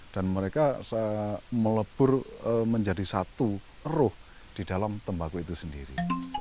dan mereka melebur menjadi satu roh di dalam tembakau itu sendiri